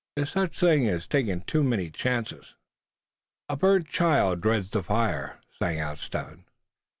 There's such a thing as takin' too many chances." "A burnt child dreads the fire," sang out Step Hen.